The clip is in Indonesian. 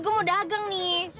gua mau dagang nih